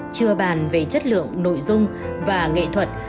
chưa bàn về chất lượng nội dung và nghệ thuật